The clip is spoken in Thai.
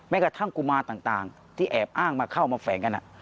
กระทั่งกุมารต่างที่แอบอ้างมาเข้ามาแฝงกัน